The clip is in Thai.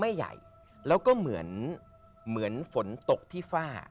ใหญ่แล้วก็เหมือนเหมือนฝนตกที่ฝ้า